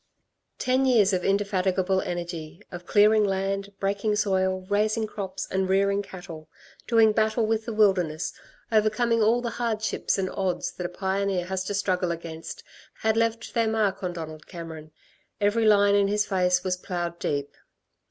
Ten years of indefatigable energy, of clearing land, breaking soil, raising crops and rearing cattle, doing battle with the wilderness, overcoming all the hardships and odds that a pioneer has to struggle against, had left their mark on Donald Cameron. Every line in his face was ploughed deep.